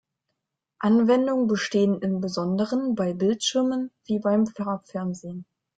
Anwendungen bestehen im Besonderen bei Bildschirmen, wie beim Farbfernsehen.